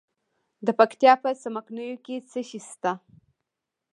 د پکتیا په څمکنیو کې څه شی شته؟